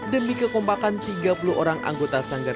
demi kekompakan tiga puluh orang anggota sanggar